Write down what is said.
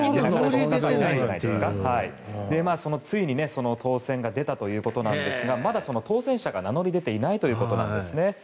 ついに当選が出たということなんですがまだ当選者が名乗り出ていないということなんですね。